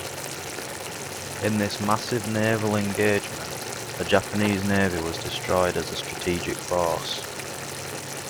In this massive naval engagement, the Japanese Navy was destroyed as a strategic force.